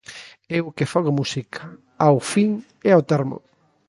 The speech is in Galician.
Eu o que fago é música, ao fin e ao termo.